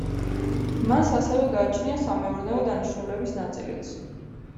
მას ასევე გააჩნია სამეურნეო დანიშნულების ნაწილიც.